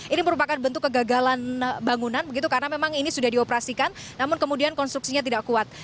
ini merupakan bentuk kegagalan bangunan begitu karena memang ini sudah dioperasikan namun kemudian konstruksinya tidak kuat